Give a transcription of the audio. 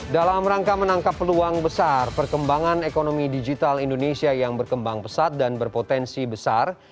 dalam rangka menangkap peluang besar perkembangan ekonomi digital indonesia yang berkembang pesat dan berpotensi besar